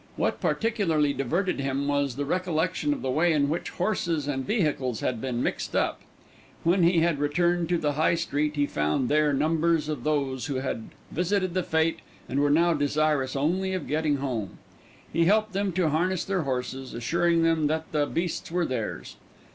What particularly diverted him was the recollection of the way in which horses and vehicles had been mixed up. When he had returned to the High Street he found there numbers of those who had visited the Fête and were now desirous only of getting home. He helped them to harness their horses, assuring them that the beasts were theirs.